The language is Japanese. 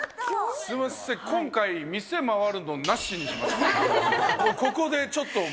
すみません、今回、店回るのなしにしましょうかね。